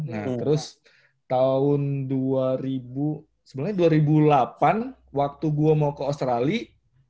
nah terus tahun dua ribu sebenarnya dua ribu delapan waktu gue mau ke australia